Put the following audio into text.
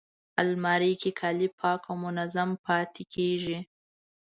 الماري کې کالي پاک او منظم پاتې کېږي